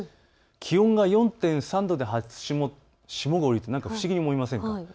気温が４．３度で霜が降りて、不思議に思いませんか。